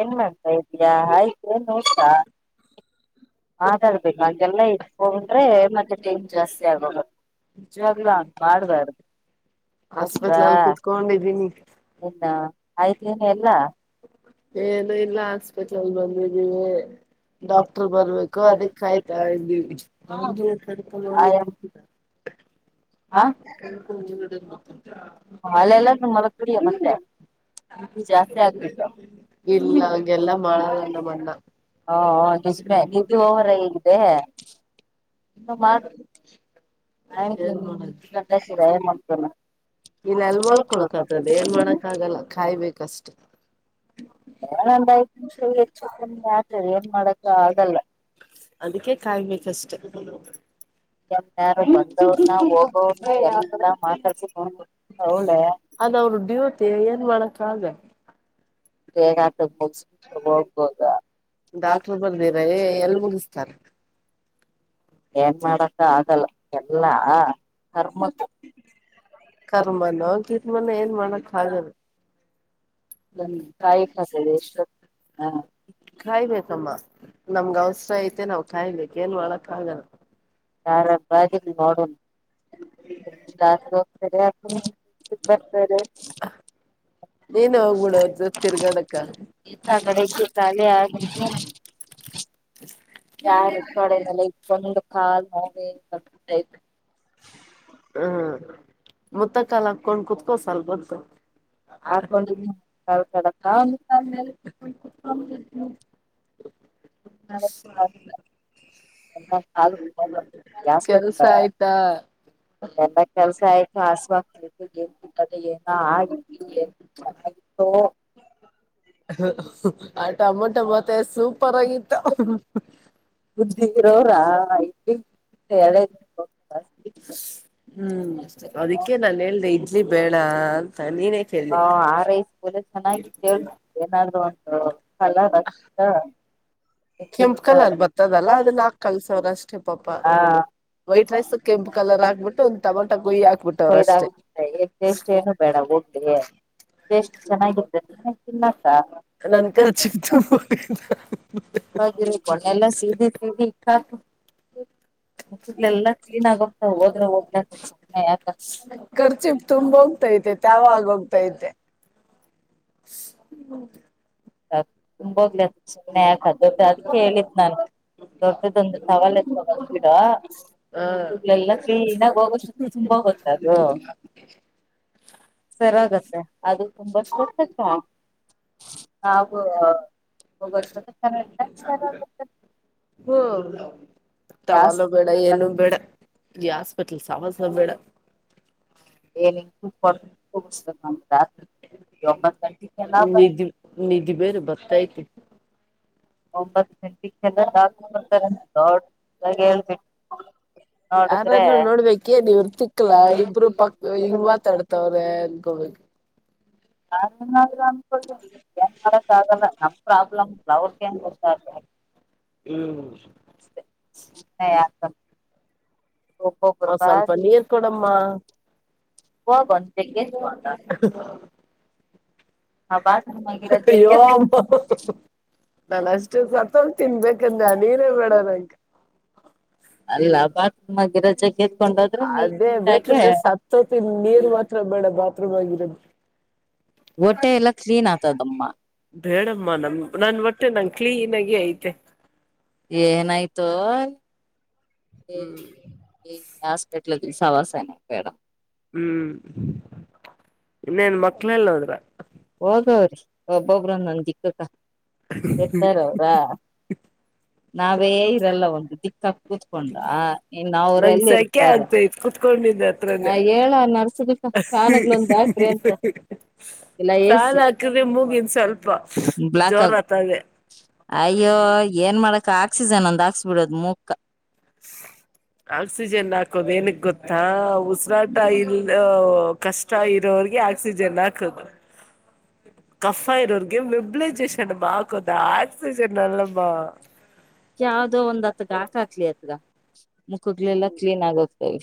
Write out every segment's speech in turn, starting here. ಏನ್ ಮಾಡ್ತಾ ಇದಿಯಾ ಆಯ್ತು ಏನು ಊಟ. ಮಾತಾಡ್ಬೇಕು ಹಾಗಗೆಲ್ಲ ಇಟ್ಟಕೊಂಡ್ರೆ ಮತ್ತೆ ಟೀಮ್ ಜಾಸ್ತಿ ಆಗೋಗುತ್ತೆ. ನಿಜವಾಗ್ಲೂ ಹಾಗ ಮಾಡ್ಬಾರ್ದು. ದೋಸ್ತ ಇನ್ನ ಆಯ್ತೇನ್ ಎಲ್ಲಾ. ಏನು ಇಲ್ಲ ಹಾಸ್ಪಿಟಲ್ ಬಂದಿದ್ದೀವಿ ಡಾಕ್ಟರ್ ಬರ್ಬೇಕು ಕ್ ಅದಕ್ಕ ಕಾಯ್ತಾ ಇದ್ದೀವಿ. ಹಾ. ಹಲ್ಲೆಲ್ಲ ನೀ ಮಲಕ್ಕ ಬಿಟ್ಟಿದೀಯ ಮತ್ತೆ. ಜಾಸ್ತಿ ಆಗ್ಬಿಟ್ವ. ಹಾ ನಿಜ್ಮೆ ನಿದ್ದೆ ವೊವರ ಹಾಗಿದೆ. [unintelligible] ಇಲ್ಲ ಅಲ್ಲಿ ಮೊಲ್ಕೊಳಕ್ ಆತದೆ ಏನ್ ಮಾಡಕ್ ಆಗಲ್ಲ ಕಾಯಬೇಕಷ್ಟೇ. ಆತರಿ ಏನ್ ಮಾಡಕ ಅಗಲ್ಲ. ಅದಕ್ಕೆ ಕಾಯಬೇಕಷ್ಟೇ. ಎಲ್ಲರೂ ಬಂದವರ್ನ ಹೋಗೋವರ್ನ ಎಲ್ಲ ಮಾತಾಡಕುಸ್ಕೊಂತಲಾ ಅವಳೆ. ಅದು ಅವರು ಡ್ಯೂಟಿ ಏನ್ ಮಾಡಕ್ಕ ಆಗಲ್ಲ. ಡಾಕ್ಟರ್ ಬರ್ದಿರ ಎಲ್ ಮುಗಿಸ್ತಾರ. ಏನ್ ಮಾಡಕ್ಕ ಆಗಲ್ಲ ಎಲ್ಲಾ ಕರ್ಮ. ಕರ್ಮನೋ ಗಿರ್ಮೋನೋ ಏನ್ ಮಾಡಕ್ ಆಗಲ್ಲ. ಕಾಯಬಬೇಕ ಎಷ್ಟ ಹತ್ತು. ಕಾಯ್ಬೇಕಮ್ಮ ನಮ್ಗ ಅವಸರ ಐತೆ ನಾವ್ ಕಾಯ್ಬೇಕ ಏನ್ ಮಾಡಕ್ ಆಗಲ್ಲ. ಯಾರರ ಪಾಲಾಗಿ ನೋಡಮ್ಮ. ಡಾಕ್ಟರ್ ಎಷ್ಟಕ ಬರ್ತಾರೆ ಏಳು. ನೀನು ಹೋಗ್ಬಿಡು ಅವ್ರ ಜೋತೆ ತಿರ್ಗಾಡಾಕ. ತಾನೇ ಆಗಿರ್ತದ. ಯ. ಲ್ಲ ಇ. [unintelligible] ಕಾಲು ವೇಗ. ಹ್ಮ್. ಮುತ್ತಕಾಲ ಹಾಕೊಂಡ್ ಕುೂತ್ಕೋಸೊಲ್ಪೊತ್ತು ಹಾಕೋಡಿನಿ. ಕಾಲ ಮೆಲ್ ಕಾಲ್ ಮೇಲೆ ಇಟ್ಕೊಂಡು ಕುಂತಿ ಅಲಾ. [inaudible] ಕೆಲ್ಸ ಆಯ್ತಾ. ಎಲ್ಲ ಕೆಲ್ಸ ಆಯ್ತು ಆಸ್ವ ಎದ ಏನ ಆಗ. [unintelligible] ಆ ಟೊಮೊಟೊ ಭಾತೇ ಸೂಪರ್ ಆಗಿತ್ತು ಬುದ್ದಿ [unintelligible] ಐತಿ ಹುಂ ಅದಕ್ಕೆೇ ನಾನು ಹೇಳ್ದೆ ಇಡ್ಲಿ ಬೇಡಾ ಅಂತ ನೀನೇ ಹಾ ಆ ರೈಸ್ ಬಲೆ ಚೆನ್ನಾಗಿತಳ ಏನಾದ್ರು ಹ [unintelligible] ಹ್ ಕೆಂಪ ಕಲರ್ ಬರ್ತದಲ್ಲಾ ಅದ ಹಾಕಿ ಕಲಸೋದ ಅಷ್ಟೇ ಪಾಪ ವೈಟ್ ರೈಸ್ ಕೆಂಪು ಕಲರ್ ಹಾಕ್ಬಿಟ್ಟು ಒಂದು ಟಮೊಟಾ ಗೊಯಿ ಹಾಕ್ಬಿಟ್ಟವ್ರಷ್ಟೇ ಟೇಸ್ಟ್ ಏನು ಬೇಡಾ ಹೋ [unintelligible] ಟೇಷ್ಟ ಚೆನ್ನಾಗಿದೆಲ್ಲಕ್ಕ ಸ್ವಲ್ಪ್ [unintelligible] ಗೊನ್ನೆ ಎಲ್ಲಾ ಸೀಧಿ ಸೀಧಿ ಇತಾ [unintelligible] ಖರ್ಚಿ ತುಂಬಾ ಹೋಗ್ತೈತೆ ಯಾವಾಗ ಹೋಗ್ತಾ ಇದ್ದೆ ಹುಂ ತುಂಬಾ ಹೋಗ್ಲ ಸುಮ್ಮನೆ ಯಾಕದ್ದ ಅದಕ್ಕೇ ಹೇಳಿದ್ ನಾನು ಹ್ [unintelligible] [unintelligible] ಸರಿಯಾಗುತ್ತೆ ಅದು ತುಂಬಾ [unintelligible] ನಾವು [unintelligible] ಹುಂ ಟವಲು ಬೇಡಾ ಏನು ಬೇಡಾ ಈ ಹಾಸ್ಪಿಟಲ್ ಸಹವಾಸ ಬೇಡಾ ಏನ [unintelligible] [unintelligible] ನಿದ್ದಿ ಬೇರೆ ಬರ್ತೈತಿ ಒಂಬತ್ತು ಗಂಟೆ ಗೆ ಬರ್ತಾರೆ ಅಂತ ದೊಡ್ಡದಾಗಿ ಹೇಳಬೇಕ ನೋಡಿದ್ರೆ [unintelligible] ಏನ್ ಮಾಡಕ್ ಆಗಲ್ಲಾ ನಮ್ ಪ್ರಾಬ್ಲಮ್ ಅವ್ರ ಏನ್ ಗೊತ್ತಾಗಲ್ಲಾ ಹುಂ ಸುಮ್ಮನ ಯಾಕ್ [unintelligible] [unintelligible] [unintelligible] ಅಯ್ಯೋ ನಾನ ಅಷ್ಟು ಸತ್ ಹೋತಿನ್ ಬೇಕಂದ್ರೆ ಆ ನೀರೇ ಬೇಡಾ ನನಗೆ ಅಲ್ಲ ಬಾ ಮಗೆ ರಜೆ [unintelligible] ಅದೇ ಬೇಕಂದ್ರೆ ಸತ್ತೋತಿ ನೀರು ಮಾತ್ರ ಬೇಡ ಬಾತ್ರೂಮ್ ಆಗಿರದು. ಹೊಟ್ಟೆ ಎಲ್ಲಾ ಕ್ಲೀನ್ ಆಗ್ತದಮ್ಮಾ ಬೇಡಮ್ಮ ನಮ ನನ್ ಹೋಟ್ಟೆ ನನ್ನ ಕ್ಲೀನ್ ಆಗಿ ಐತೆ ಏನಾಯ್ತೊ ಈ ಹಾಸ್ಪಿಟಲ್ ಸಹವಾಸನೆ ಬೇಡಾ ಹುಂ ಇನ್ನೇನ್ ಮಕ್ಕಳ ಎಲ್ಲಿ ಹೋದ್ರು ಹೊದ ಅವ್ರ ಒಬ್ಬೊಬ್ರನ್ನೊಂದ ದಿಕ್ಕ ಗ ಇರ್ತರಾ ಅವ್ರ [unintelligible] ಅ ಆಗ್ತ ಕುತ್ಕೊಂಡಿದ್ದ ಹತ್ರನೆ [unintelligible] ಸಾಲ ಹಾಕಿದ್ರೆ ಮೂಗಿನ ಸ್ವಲ್ಪ ಜೋರಾತದೆ. ಅಯ್ಯೋ ಏನ್ ಮಾಡಕ್ ಆಕ್ಸಿಜನ್ ಒಂದ್ ಹಾಕ್ಸ್ ಬಿಡೋದ್ ಮುಖ. ಆಕ್ಸಿಜನ್ ಹಾಕೋದ ಏನಗಕ್ ಗೊತ್ತಾ ಉಸ್ರಾಟ್ ಇಲ್ಲ. ದೋ ಕಷ್ಟ ಇರೋರ್ಗೆ ಆಕ್ಸಿಜನ್ ಹಾಕದು. ಕಫ ಇರೋರ್ಗೆ ಮೆಬ್ಲೈಜೇಷನಮಾ ಹಾಕೋದ ಆಕ್ಸಿಜನ್ ಅಲ್ಲಮಾ. ಯಾವ್ದೋ ಒಂದ್ ಹತ್ ಗಾಕಾಕ್ಲಿ ಅತಗ್ ಮುಖಗ್ಲೆಲ್ಲಾ ಕ್ಲೀನ್ ಆಗೋಗ್ತವೆ.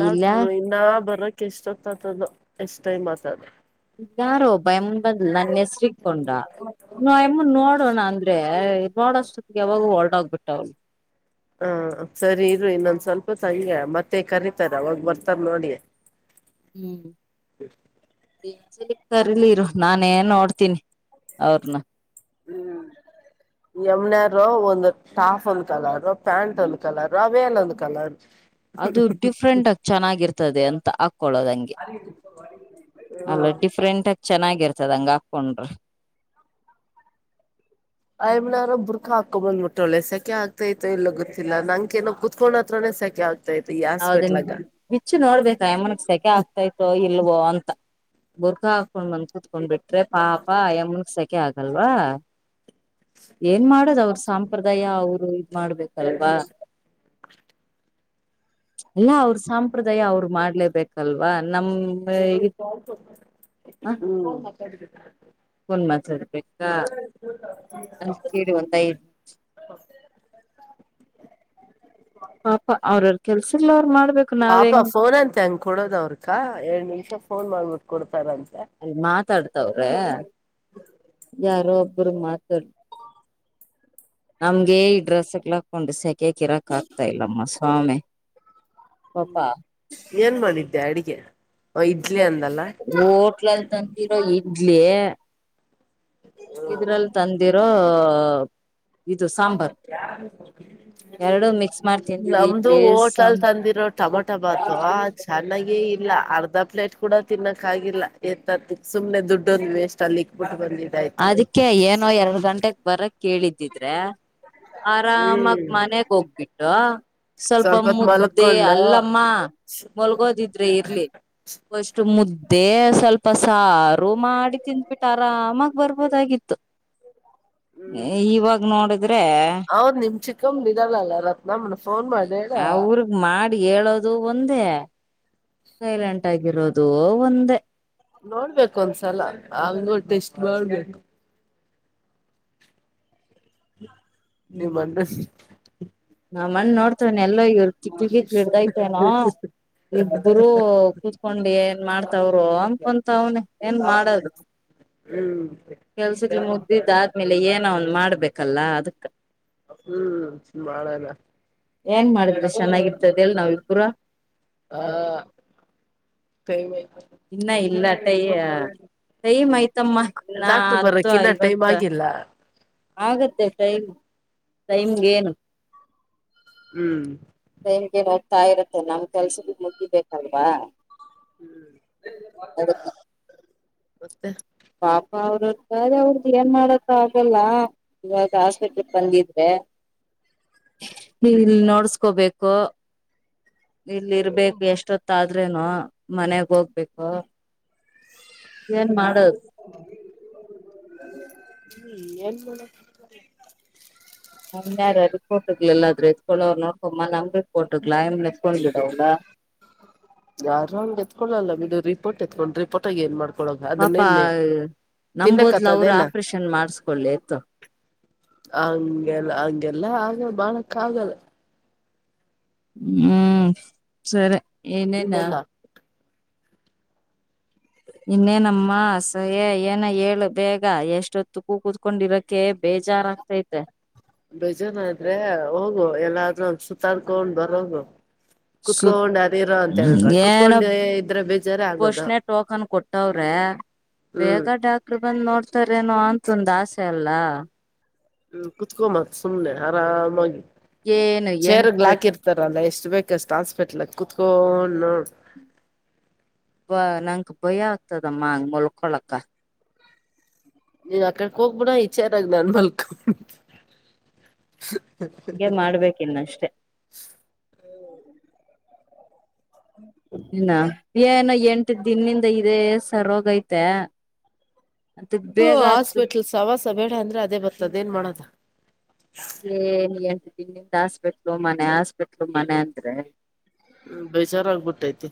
ಡಾಕ್ಟ್ರ ಇನ್ನಾ ಬರಕ್ ಎಷ್ಟೊತ್ತಾತದೋ ಎಷ್ಟೈಮಾತದೋ. ಯಾರೋ ಒಬ್ಬ ಆಯಮ್ಮನ್ ಬಂದ್ಲ್ ನನ್ ಹೆಸರಿಕೊಂಡ ನಾ ಎಮ್ಮನ್ ನೋಡೋಣ ಅಂದ್ರೆ. ನೋಡೋಷ್ಟೊತ್ತಿಗೆ ಯವಾಗ ಹೋರ್ಟ್ ಹೋಗ್ ಬಿಟ್ಟವಳ. ಹಾ ಸರಿ ಇರಿ ಇನ್ನೊಂದ್ ಸ್ಪಲ್ಪೂತಂಗೆ ಮತ್ತೆ ಕರಿತಾರ ಅವಾಗ ಬರ್ತಾರ ನೋಡಿಯೇ. ಹ್ಮ್ ಇನ್ನೋನ್ಸಲಿ ಕರಿಲಿ ಇರು ನಾನೇ ನೋಡ್ತೀನಿ ಅವ್ರನ್. [inaudible] ಯಮನಾರ ಒಂದ ಟಾಫ್ ಒಂದ್ ಕಲರು ಪ್ಯಾಂಟ್ ಒಂದ ಕಲರು ಅ ವೇಲ್ ಒಂದ ಕಲರ್. [inaudible] ಅದು ಡಿಫ್ರೆಂಟಗಿ ಚೆನ್ನಾಗಿರ್ತದೆ ಅಂತ ಹಾಕೊಳ್ಳದ ಹಂಗೆ. ಅಲ್ಲ ಡಿಫ್ರೆಂಟಗ ಚೆನ್ನಾಗಿರ್ತದ ಹಂಗ ಹಾಕೊಂಡ್ರೆ. ಐಯಂನರು ಬುರ್ಕ್ ಹಾಕೊ ಬಂದ್ಬಿಟ್ಟವಳೇ ಸೆಕೆ ಆಗ್ತೈತೋ ಇಲ್ಲೊ ಗೊತ್ತಿಲ್ಲ ನಂಕೇನೋ ಕುತ್ಕೊಂಡ್ ಹತ್ರನ ಸೆಕೆ ಆಗ್ತ ತೈತ ಈ ಹಾಸ್ಪೆಟ್ಲಾಗ. ತೈತೋ ಇಲ್ವೋ ಅಂತ. ಬುರ್ಕಾ ಹಾಕೊಂಡ್ ಬಂದ್ ಕುತ್ಕೊಂಡ್ ಬಿಟ್ರೆ ಪಾಪ ಯಮ್ಮನಗ ಸೇಕೆ ಆಗಲ್ವಾ. ಏನ್ ಮಾಡೋದ್ ಅವ್ರ ಸಾಂಪ್ರದಾಯ ಅವ್ರ ಇದ್ ಮಾಡ್ಬೇಕಲ್ವಾ. ನ ಅವಾನದ ಶ [unintelligible] ಹ್ಮ ಫೋನ್ ಮಾತಾಡ್ಬೇಕಾ. [inaudible] ಪಾಪ ಅವ್ರವ ಕೆಲ್ಸಗಳ ಅವ್ರ ಮಾಡ್ಬೇಕ ನಾವ್ ಹೆಂಗ. [unintelligible] ತಂಕೋ. ಕೊಡೋದ ಅವ್ರಕಾ ಎರಡ್ ನಿಮಿಷ ಫೋನ್ ಮಾಡ್ಬಿಟ್ಟು ಕೊಡ್ತಾರಂತೆ. ಅಲ್ಲ ಮಾತಾಡ್ತವ್ರೆ. ಯಾರೋ ಒಬ್ರಿಗ ಮಾತಾಡ್ತ ನಮ್ಗೆ ಈ ಡ್ರೆಸ್ ಹಾಕ್ಲಿಕ್ ಸೆಕೆಕಿರಾಕ್ ಆಗ್ತಾ ಇಲ್ಲಮ್ಮ ಸ್ವಾಮಿ. ಹ್ಮ್ ಏನ್ ಮಾಡಿದ್ದೆ ಅಡಗೆ. ಹೋಟ್ಲಲ್ ತಂದಿರೋ ಇಡ್ಲಿ. ಇದ್ರಲ್ಲಿ ತಂದಿರೋ. ನಮ್ದು ಹೋಟ್ಲಲ ತಂದಿರೋ. ಟಮೊಟೊ ಬಾತು ಚ ನ್ನಾಗೆೇ ಇಲ್ಲ ಅರ್ಧ ಪ್ಲೇಟ್ ಕೂಡ ತಿನ್ನಕ್ಕಾಗಿಲ್ಲ ಎತ್ತತ್ ಸುಮ್ನೆ ದುಡ್ಡೊಂದು ವೇಸ್ಟಲ್ಲಿ ಇಕ್ಬಿಟ್ಟು ಬಂದಿವಿ. ಅದಕ್ಕೆ ಏನೋ ಎರಡ್ ಗಂಟೆಕ್ ಬರಕ್ ಕೇಳಿದ್ದಿದ್ರೆ. ಆರಾಮಾಗ ಮನೆಗ್ ಹೋಗ್ಬಿಟ್ಟು. ಸ್ವಲ್ಪ ಮುದ್ದೆ ಅಲ್ಲಮ್ಮ ಮಲ್ಗೋದಿದ್ರೆ ಇರ್ಲಿ. ವಷ್ಟು ಮುದ್ದೆ ಸ್ವಲ್ಪ ಸಾರು ಮಾಡಿ ತಿಂದ್ಬಿಟ್ಟ ಆರಾಮಾಗ. ಬರ್ಬೊದಾಗಿತ್ತು ಇವಾಗ ನೋಡಿದು. ಹೌದ್ ನಿಮ್ ಚಿಕ್ಕಮ್ಮ ಇದಳಲ್ಲ ರತ್ನಮ್ಮನ ಫೋನ್ ಮಾಡ್ ಹೇಳ. ಮಾಡಿ ಹೇಳೋದು ಒಂದೇ ಸೈಲೆಂಟಾಗಿರೋದು ಒಂದೇ. ನೋಡ್ಬೇಕ ಒಂದ್ಸಲ ಹಂಗು ಟೆಸ್ಟ್ ಮಾಡ್ಬೇಕ. ನೀ ಮನ್ನಸ್ [unintelligible] ನಮ್ ಅಣ್ಣ ನೋಡ್ತೇವನೆ ಎಲ್ಲೋ ಇವ್ರು ಚಿಕ್ಲಿಗಿಕ್ಲಿ ಇಡ್ದೈತೆನೋ. ಇಬ್ರೂ ಕುೂತ್ಕೊಂಡು ಏನ್ ಮಾಡ್ತಾವರೋ ಅನ್ಕೊಂತ ಅವ್ನೆ ಏನ್ ಮಾಡದು. ಹ್ಮ್ [unintelligible] ಮಾಡ್ಬೇಕಲ್ಲ ಅದಕ್. ಹ್ಮ್ ಮಾಡಣ. ಏನ್ ಮಾಡಬೇಡ ಸುಮ್ನೆ [unintelligible] ಆ ಕೈಮೆ [unintelligible] ಡಾಕ್ಟರ್ ಬರಕ್ಕ ಇನ್ನ ಟೈಮ್ ಆಗಿಲ್ಲ. ಆಗತ್ತೆ ಟೈಮ ಟೈಮ್ಗೇನ. ಹ್ಮ್. ಟೈಮ್ಗೆನ ಹೋಗ್ತಾ ಇರುತ್ತೆ ನಮ್ ಕೆಲ್ಸದ ಮುಗಿಬೇಕಲ್ವಾ. ಹ್ಮ್ ಮತ್ತೆ ಪಾಪ ಅವ್ರತಾರೆ ಅವ್ರ್ದ ಏನ್ ಮಾಡಕ ಆಗಲ್ಲ. ಇವಾಗ ಹಾಸ್ಪಿಟ್ಲ್ ಬಂದಿದ್ರೆ. ನೀ ಇಲ್ಲಿ ನೋಡ್ಸ್ಕೋಬೇಕು. ಇಲ್ಲಿ ಇರ್ಬೇಕ ಎಷ್ಟೊತ್ತ ಆದ್ರೇನು ಮನೆಗ್ ಹೋಗ್ಬೇಕ. [unintelligible] ಹ್ಮ್ ಎನ್ [unintelligible] ನಮ್ಮ ಯಾರ ರಿಪೋರ್ಟ್ಗ್ಗಳ ಎಲ್ಲಾದ್ರೂ ಎತ್ಕೊಂಡೋ ಅವ್ ನೋಡ್ಕೊ ನಮ್ ರಿಪೋರ್ಟ್ಗ್ಗಳ ಆಮ್ ಎತ್ಕೊಂಡ್ ಬಿಡವಲ್ಲ. ಯಾರ್ ಒಂದ್ ಎತ್ಕೊಳ್ಳಲ್ಲದು ರಿಪೋರ್ಟ್ ಎತ್ಕೊಂಡು ರಿಪೋರ್ಟ್ ತ ಏನ್ ಮಾಡ್ಕೊಳ ಅದನ್ನೇನ್ ತಿನ್ನಕ್ಕತ್ತದೇನ. ಹಂಗೆಲ್ಲ ಹಂಗೆಲ್ಲಾ ಆಗ ಬಾಳಕ ಆಗಲ್ಲ. ಹ್ಮ್ ಸರೆ ಇನ್ನೇನ. ಇನ್ನೇನಮ್ಮ ಸಹ ಏನ ಹೇಳ ಬೇಗ ಎಷ್ಟೊತ್ತು ಕೂ ಕೂತ್ಕೊಂಡ್ರಕೆ. ಚಾ ಒಂದ್ ಐತೆ ಬೇಜಾರ ಆದ್ರೆ ಹೋಗು ಎಲ್ಲಾದ್ರೂ ಸುತ್ತಾರ್ಕೊಂಡ್ ಬರೋಗು. ಸುತ್ ಹ್ಮ್ ಹ್ಮ್ ಏನ ಪಸ್ಟ್ನೆ ಟೋಕನ್ ಕೊಟ್ಟಾವ್ರೆ. ಬೇಗ ಡಾಕ್ಟರ್ ಬಂದ್ ನೋಡ್ತಾರೇನೋ ಅಂತ ಒಂದ್ ಆಸೆ ಅಲ್ಲ. ಹ್ಮ ಕುತ್ಕೊಮ ಸುಮ್ನೆ ಆರಾಮಾಗಿ ಚೇರ್ಗ್ ಲಾಕಿ ಇರ್ತ ತರಲ್ಲೇ ಎಷ್ಟ ಬೇಕಷ್ಟ ಹಾಸ್ಪಿಟ್ಲ್ ಕುೂತ್ಕೊಂಡ ನೋಡ್ ಬ ನಂಕ್ ಭಯ ಆಗ್ತದಮ್ಮ ಹಂಗ ಮಲ್ಕೊಳಕ. ನೀನ್ ಅಕಡಕ್ ಹೋಗ್ಬಿಡ ಇಚಾರಾಗ ನನ್ ಮಲ್ಕ್ ಹಂಗೆ ಮಾಡ್ಬೇಕ ಇನ್ನ ಅಷ್ಟೇ. ಹ್ಮ್ ಇನಾ ಏನೋ ಎಂಟ ದಿನಿಂದ ಇದೆ ಸರೋಗೈತೆ. ಹ ಹಾಸ್ಪಿಟ್ಲ್ ಸವಾಸ ಬೇಡ ಅಂದ್ರೆ ಅದೆ ಬರ್ತದ ಏನ್ ಮಾಡೋದ. ಏ ನೀ ಎಂಟ್ ದಿನದಿಂದ ಹಾಸ್ಪೆಟ್ಲು ಮನೆ ಹಾಸ್ಪೆಟ್ಲ್ ಮನೆ ಅಂದ್ರೆ. ಬೇಜಾರ ಆಗ್ಬಿಟ್ಟೈತೆ.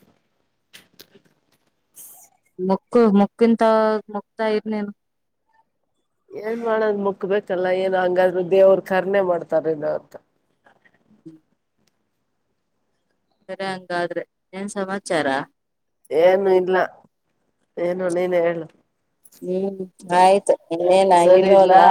ಮುಕ್ಕು ಮುಕ್ಕಿಂತ ಮುಕ್ತಾ ಇರ್ನೇನು. ಏನ್ ಮಾಡದ್ ಮುಕ್ಬೇಕಲ್ಲ ಏನ್ ಹಂಗಾದ್ರು ದೇವ್ರು ಕರ್ನೆ ಮಾಡ್ತಾರಿಲ್ಲ ಅಂತ. ಹ್ಮ ಸರಿ ಹಂಗಾದ್ರೆ ಏನ್ ಸಮಾಚಾರ. ಏನು ಇಲ್ಲ ಹ್ಮ್ ಎನ ಆಯ್ತು ಇನ್ನೇನ ಆಗಿಲ್ವಲಾ.